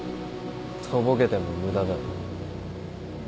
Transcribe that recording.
とぼけても無駄だ。